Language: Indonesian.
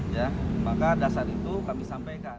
ya maka dasar itu kami sampaikan